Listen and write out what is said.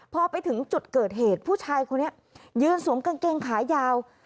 พอไปถึงจุดเกิดเหตุผู้ชายคนนี้ยืนสวมกางเกงขายาว